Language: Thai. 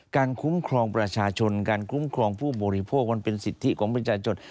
คุ้มครองประชาชนการคุ้มครองผู้บริโภคมันเป็นสิทธิของประชาชน